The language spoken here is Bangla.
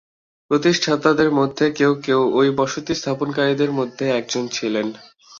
প্রতিষ্ঠাতাদের মধ্যে কেউ কেউ ঐ বসতি স্থাপনকারীদের মধ্যে একজন ছিলেন।